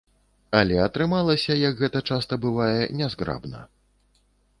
Але атрымалася, як гэта часта бывае, нязграбна.